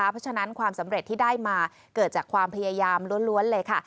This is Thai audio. เพราะฉะนั้นความสำเร็จที่ได้มาเกิดจากความพยายามล้วนเลยค่ะ